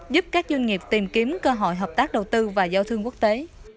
giúp các doanh nghiệp tìm kiếm cơ hội hợp tác đầu tư và giao thương quốc tế